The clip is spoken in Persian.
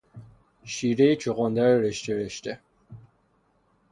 شیرهی چغندر رشته رشته